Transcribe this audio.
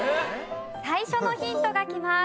最初のヒントがきます。